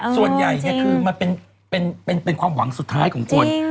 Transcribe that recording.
ส่วนใหญ่คือมันเป็นความหวังสุดท้ายของคน